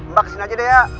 mbak kesini aja deh ya